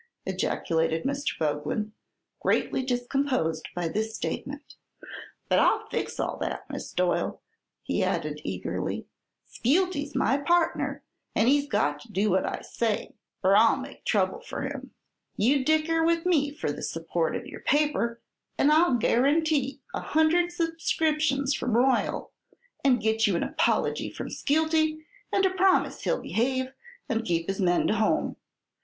ejaculated Mr. Boglin, greatly discomposed by this statement. "But I'll fix all that, Miss Doyle," he added, eagerly. "Skeelty's my partner and he's got to do what I say or I'll make trouble for him. You dicker with me for the support of your paper and I'll guarantee a hundred subscriptions from Royal and get you an apology from Skeelty and a promise he'll behave an' keep his men to home.